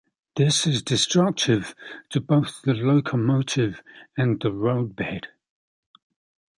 This is destructive to both the locomotive and the roadbed.